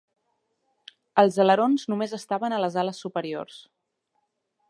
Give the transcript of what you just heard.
Els alerons només estaven a les ales superiors.